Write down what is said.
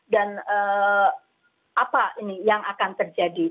dan apa ini yang akan terjadi